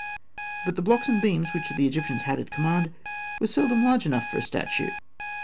But the blocks and beams which the Egyptians had at command were seldom large enough for a statue.